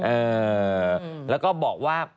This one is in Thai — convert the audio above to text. เออแล้วก็บอกว่า